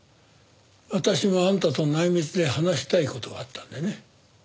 あたしもあんたと内密で話したい事があったんでね。